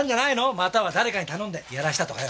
または誰かに頼んでやらせたとかよ。